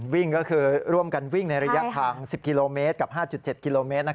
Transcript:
วิ่งก็คือร่วมกันวิ่งในระยะทาง๑๐กิโลเมตรกับ๕๗กิโลเมตร